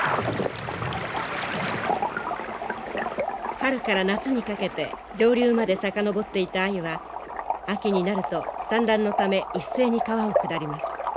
春から夏にかけて上流まで遡っていたアユは秋になると産卵のため一斉に川を下ります。